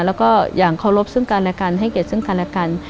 แล้วก็อย่างเคารพซึ่งกันและกันให้เกียรติซึ่งกันและกัน